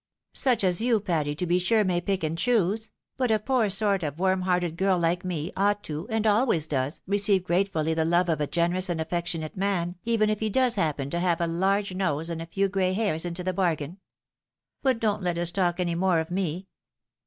Such as you, Patty, to be sure, may pick and choose ; but a poor good sort of a warm hearted girl like me, ought to, and always does, receive grate fully the love of a generous and affectionate man, even if he does happen to have a large' nose, and a few gray hairs into the bargain. But don't let us talk any more of me.